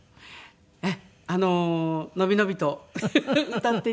ええあの伸び伸びと歌っていて。